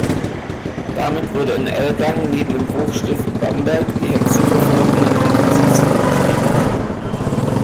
Damit wurde in Ellwangen neben dem Hochstift Bamberg die Hexenverfolgung am intensivsten betrieben.